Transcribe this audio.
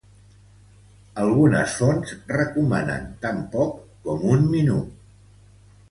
Algunes fonts recomanen tan poc com un minut.